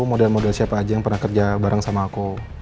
model model siapa aja yang pernah kerja bareng sama aku